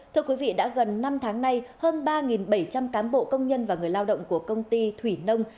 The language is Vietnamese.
thưa quý vị đã gần năm tháng nay hơn ba bảy trăm linh cám bộ công nhân và người lao động của công ty thủy nông